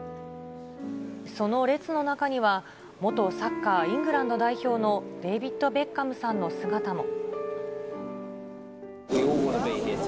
その列の中には、元サッカー、イングランド代表のデビット・ベッカムさんの姿も。